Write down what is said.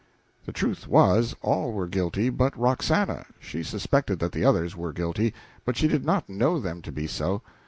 The truth was, all were guilty but Roxana; she suspected that the others were guilty, but she did not know them to be so.